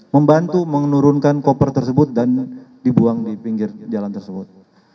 membantu menurunkan koper tersebut dan dibuang di pinggir jalan tersebut